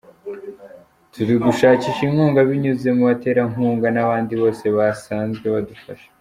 Turi gushakisha inkunga binyuze mu baterankunga n’abandi bose basanzwe badufasha.